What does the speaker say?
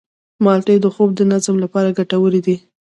مالټې د خوب د نظم لپاره ګټورې دي.